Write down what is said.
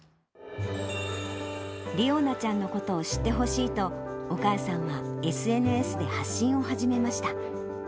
理央奈ちゃんのことを知ってほしいと、お母さんはＳＮＳで発信を始めました。